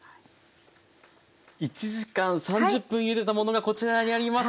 １時間３０分ゆでたものがこちらにあります。